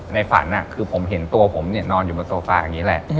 ในฝันคือผมเห็นตัวผมนอนอยู่บนโซฟาอย่างนี้แหละ